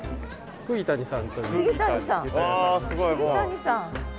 釘谷さん！